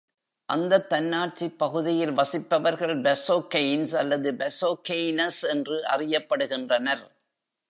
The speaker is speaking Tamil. அந்த தன்னாட்சிப் பகுதியில் வசிப்பவர்கள் “Bazocains” அல்லது “Bazocaines” என்று அறியப்படுகின்றனர்.